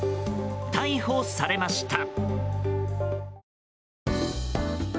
逮捕されました。